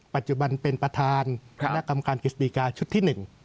ปัจจุบันเป็นประธานคณะกรรมการกฤษฎีกาชุดที่๑